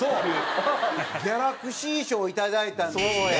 ギャラクシー賞をいただいたんですね。